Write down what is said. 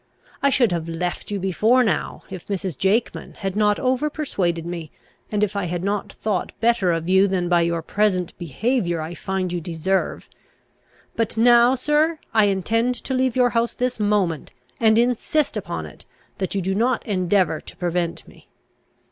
I should have left you before now, if Mrs. Jakeman had not over persuaded me, and if I had not thought better of you than by your present behaviour I find you deserve. But now, sir, I intend to leave your house this moment, and insist upon it, that you do not endeavour to prevent me."